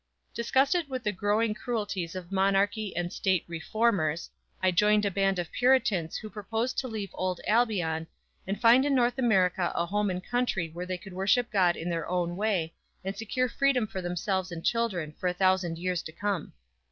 "_ Disgusted with the growing cruelties of monarchy and state "reformers," I joined a band of Puritans who proposed to leave old Albion, and find in North America a home and country where they could worship God in their own way, and secure freedom for themselves and children for a thousand years to come.